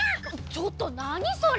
ちょっとなにそれ！